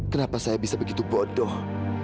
kenapa saya bisa begitu bodoh